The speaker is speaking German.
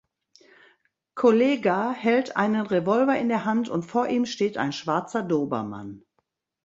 Kollegah hält einen Revolver in der Hand und vor ihm steht ein schwarzer Dobermann.